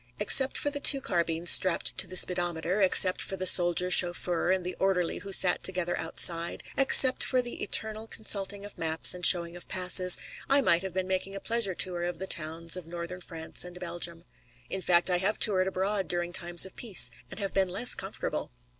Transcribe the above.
Except for the two carbines strapped to the speedometer, except for the soldier chauffeur and the orderly who sat together outside, except for the eternal consulting of maps and showing of passes, I might have been making a pleasure tour of the towns of Northern France and Belgium. In fact, I have toured abroad during times of peace and have been less comfortable.